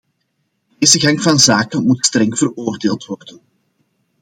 Deze gang van zaken moet streng veroordeeld worden.